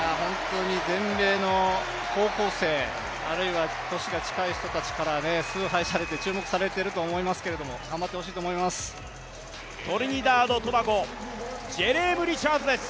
全米の高校生、あるいは年が近い人から崇拝されて、注目されていると思いますけれども頑張ってほしいと思います。